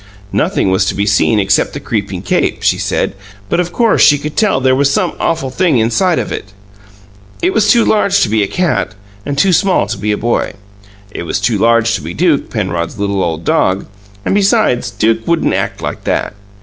Nothing was to be seen except the creeping cape, she said, but, of course, she could tell there was some awful thing inside of it. It was too large to be a cat, and too small to be a boy; it was too large to be Duke, Penrod's little old dog, and, besides, Duke wouldn't act like that.